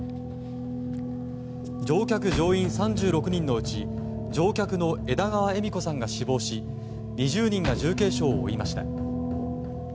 乗客・乗員３６人のうち乗客の枝川恵美子さんが死亡し２０人が重軽傷を負いました。